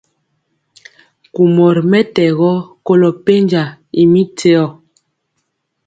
Kumɔ ri mɛtɛgɔ kolo penja y mi téo.